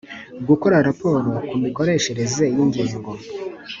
gukora raporo ku mikoreshereze y ingengo